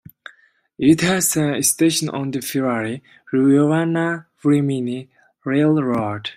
It has a station on the Ferrara-Ravenna-Rimini railroad.